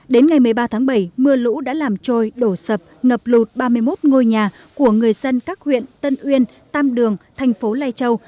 đến ngày một mươi ba tháng bảy mưa lũ đã làm trôi đổ sập ngập lụt ba mươi một ngôi nhà của người dân các huyện tân uyên tam đường thành phố lai châu